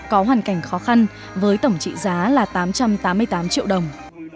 có hoàn cảnh khó khăn với tổng trị giá là tám trăm tám mươi tám triệu đồng